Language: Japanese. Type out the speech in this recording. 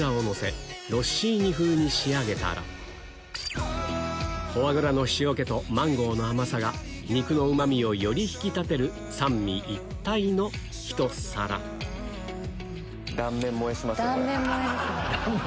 仕上げたらフォアグラの塩気とマンゴーの甘さが肉のうま味をより引き立てる三位一体のひと皿断面萌えしますよこれ。